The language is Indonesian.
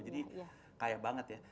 jadi kaya banget ya